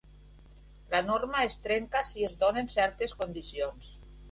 La norma es trenca si es donen certes condicions.